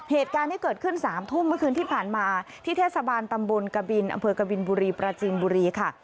เหตุการณ์ที่เกิดขึ้น๓ทุ่มเมื่อคืนที่ผ่านมาที่เทศบาลตำบลกบินอำเภอกบินบุรีปราจีนบุรีค่ะ